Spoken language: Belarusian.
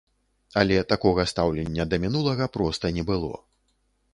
Але такога стаўлення да мінулага проста не было.